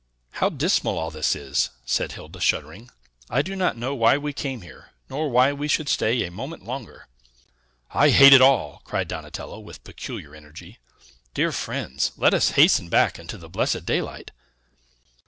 "How dismal all this is!" said Hilda, shuddering. "I do not know why we came here, nor why we should stay a moment longer." "I hate it all!" cried Donatello with peculiar energy. "Dear friends, let us hasten back into the blessed daylight!"